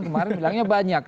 kemarin bilangnya banyak